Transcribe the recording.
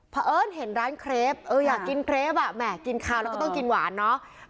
เพราะเอิ้นเห็นร้านเครปอยากกินเครปอ่ะแหม่กินข้าวแล้วก็ต้องกินหวานเนาะ